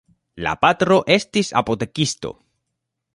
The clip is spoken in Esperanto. La patro estis apotekisto.